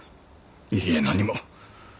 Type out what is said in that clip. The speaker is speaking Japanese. いいえ何も。